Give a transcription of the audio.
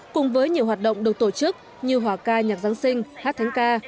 cùng với nhiều hoạt động được tổ chức như hòa ca nhạc giáng sinh hát thánh ca